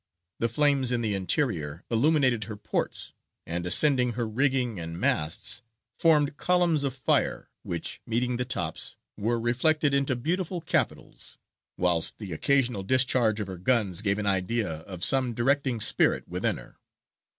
The flames in the interior illuminated her ports, and, ascending her rigging and masts, formed columns of fire, which, meeting the tops, were reflected into beautiful capitals; whilst the occasional discharge of her guns gave an idea of some directing spirit within her.